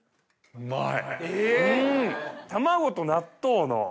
うまい！